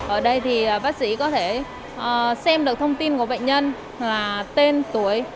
ở đây thì bác sĩ có thể xem được thông tin của bệnh nhân là tên tuổi